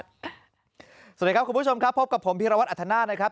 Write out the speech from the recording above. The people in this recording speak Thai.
สวัสดีครับคุณผู้ชมครับพบกับผมพีรวัตรอัธนาศนะครับ